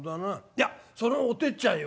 いやそのおてっちゃんよ